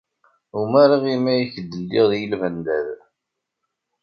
Umareɣ imi ay ak-d-lliɣ i lmendad.